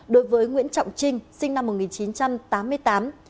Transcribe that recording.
đối với nguyễn trọng trinh sinh năm một nghìn chín trăm tám mươi tám